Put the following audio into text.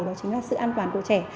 đó chính là sự an toàn của trẻ